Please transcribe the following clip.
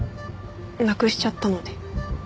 なくしちゃったので。